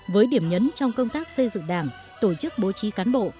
với điểm nhấn trong công tác xây dựng đảng tổ chức bố trí cán bộ